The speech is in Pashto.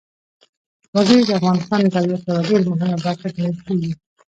وګړي د افغانستان د طبیعت یوه ډېره مهمه برخه ګڼل کېږي.